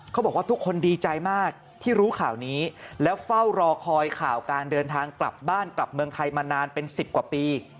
เขาบอกว่าทุกคนดีใจมากที่รู้ข่าวนี้แล้วเฝ้ารอคอยข่าวการเดินทางกลับบ้านกลับเมืองไทยมานานเป็น๑๐กว่าปี